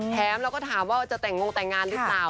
เราก็ถามว่าจะแต่งงแต่งงานหรือเปล่า